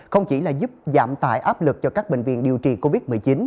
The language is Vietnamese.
không chỉ là giúp giảm tải áp lực cho các bệnh viện điều trị covid một mươi chín